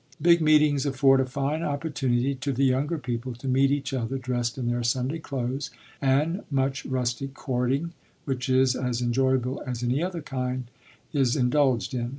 Big meetings afford a fine opportunity to the younger people to meet each other dressed in their Sunday clothes, and much rustic courting, which is as enjoyable as any other kind, is indulged in.